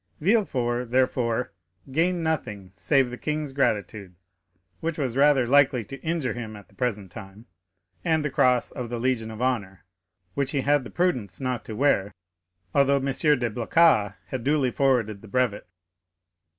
Villefort, therefore, gained nothing save the king's gratitude (which was rather likely to injure him at the present time) and the cross of the Legion of Honor, which he had the prudence not to wear, although M. de Blacas had duly forwarded the brevet.